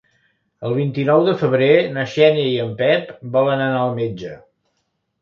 El vint-i-nou de febrer na Xènia i en Pep volen anar al metge.